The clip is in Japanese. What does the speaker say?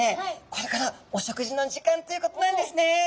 これからお食事の時間ということなんですね。